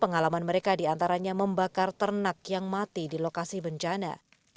pengalaman mereka diantaranya membakar ternak yang mati di lokasi bencana